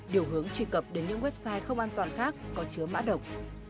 điều hướng truy cập đến những website không an toàn khác có chứa mã độc